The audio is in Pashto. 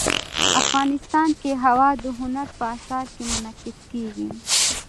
افغانستان کې هوا د هنر په اثار کې منعکس کېږي.